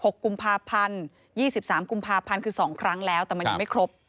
๖กุมภาพันธ์๒๓กุมภาพันธ์คือ๒ครั้งแล้วแต่มันยังไม่ครบ